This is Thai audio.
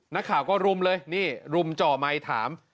นักข่าก็รุมเลยรุมจ่อไม้ถาม